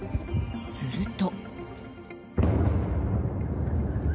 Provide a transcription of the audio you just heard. すると。